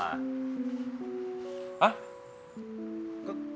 อะไร